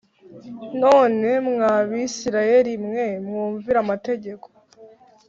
None mwa Bisirayeli mwe mwumvire amategeko